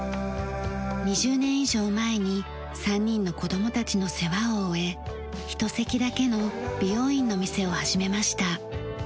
２０年以上前に３人の子供たちの世話を終え１席だけの美容院の店を始めました。